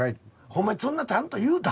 ほんまそんなちゃんと言うた？